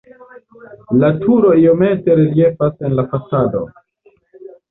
La turo iomete reliefas en la fasado.